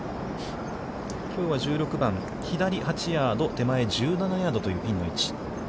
きょうは１６番、左８ヤード、手前１７ヤードというピンの位置。